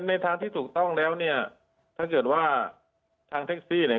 ในทางที่ถูกต้องแล้วเนี่ยถ้าเกิดว่าทางแท็กซี่เนี่ย